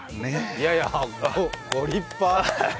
いやいや、ご立派！